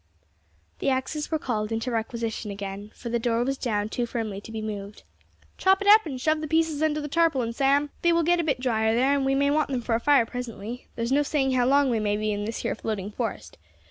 The axes were called into requisition again, for the door was jammed too firmly to be moved. "Chop it up, and shove the pieces under the tarpaulin, Sam; they will get a bit drier there, and we may want them for a fire presently; there is no saying how long we may be in this here floating forest.